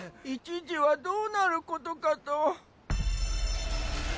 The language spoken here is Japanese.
一時はどうなることかと。